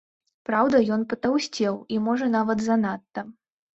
Праўда, ён патаўсцеў, і, можа, нават занадта.